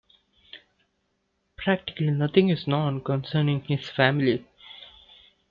Practically nothing is known concerning his family.